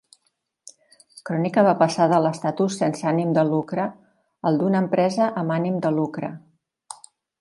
Crònica va passar de l'estatus sense ànim de lucre al d'una empresa amb ànim de lucre.